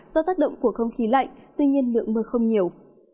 do tác động của không khí lạnh tuy nhiên lượng mưa không nhiều